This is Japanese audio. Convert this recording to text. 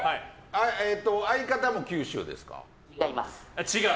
相方も九州ですか。